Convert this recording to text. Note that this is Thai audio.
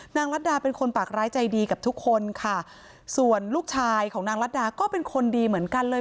รัฐดาเป็นคนปากร้ายใจดีกับทุกคนค่ะส่วนลูกชายของนางรัฐดาก็เป็นคนดีเหมือนกันเลย